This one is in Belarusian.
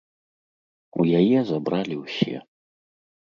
У яе забралі ўсе.